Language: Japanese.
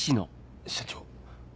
社長。